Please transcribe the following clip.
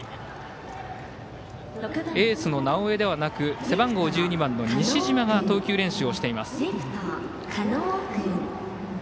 エースの直江ではなく背番号１２番の西嶋が投球練習をしています。